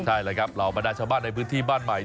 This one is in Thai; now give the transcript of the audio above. ใช่เลยครับเหล่าบรรดาชาวบ้านในพื้นที่บ้านใหม่